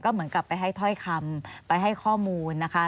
เหมือนกับไปให้ถ้อยคำไปให้ข้อมูลนะคะ